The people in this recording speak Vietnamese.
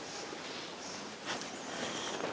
mỗi phật tích ca